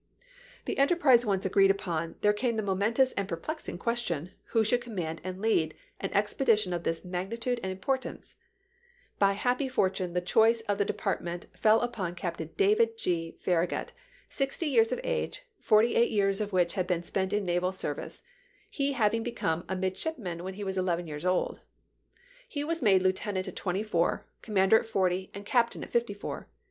The enterprise once agreed upon, there came the momentous and perplexing question, who should command and lead an expedition of this magni tude and importance ? By happy fortune the choice of the department fell upon Captain David G. Far ragut, sixty years of age, forty eight years of which had been spent in naval service, he having become a midshipman when he was eleven years old. He was made lieutenant at twenty four, commander at forty, and captain at fifty four.